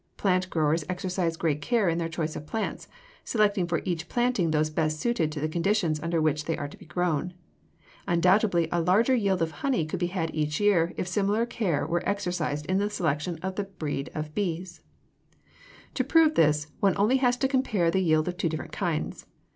Plant growers exercise great care in their choice of plants, selecting for each planting those best suited to the conditions under which they are to be grown. Undoubtedly a larger yield of honey could be had each year if similar care were exercised in the selection of the breed of bees. [Illustration: FIG. 263. A CARNIOLAN WORKER] To prove this, one has only to compare the yield of two different kinds.